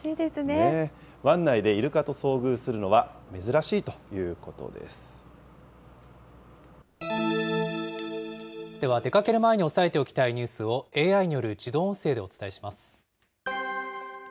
湾内でイルカと遭遇するのは、では、出かける前に押さえておきたいニュースを、ＡＩによる自動音声でお伝えします。